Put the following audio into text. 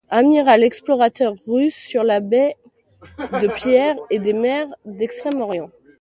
Amiral, explorateur russe de la baie de Pierre et des mers d'Extrême-Orient.